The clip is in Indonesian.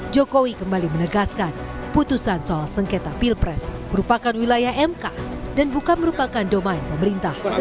jokowi kembali menegaskan putusan soal sengketa pilpres merupakan wilayah mk dan bukan merupakan domain pemerintah